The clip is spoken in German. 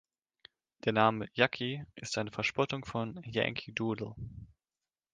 Der Name Yakky ist eine Verspottung von „Yankee Doodle“.